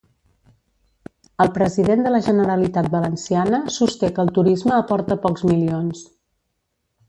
El president de la Generalitat Valenciana sosté que el turisme aporta pocs milions